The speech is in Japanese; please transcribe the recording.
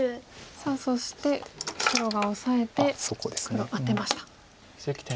さあそして白がオサえて黒アテました。